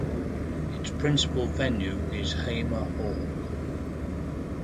Its principal venue is Hamer Hall.